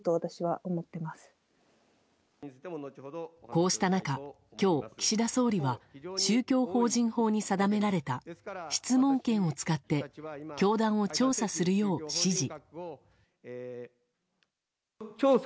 こうした中今日、岸田総理は宗教法人法に定められた質問権を使って教団を調査するよう指示。